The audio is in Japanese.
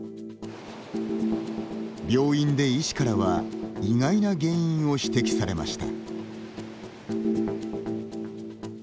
病院で医師からは意外な原因を指摘されました。